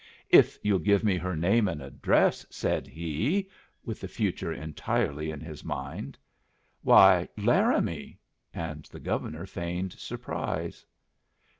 "If you'll give me her name and address," said he, with the future entirely in his mind. "Why, Laramie!" and the Governor feigned surprise.